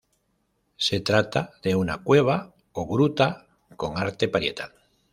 Se trata de una cueva o gruta con arte parietal.